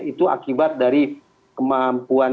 itu akibat dari kemampuan